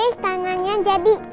yes tangannya jadi